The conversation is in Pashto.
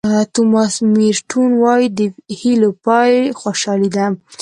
توماس مېرټون وایي د هیلو پای خوشالي ده.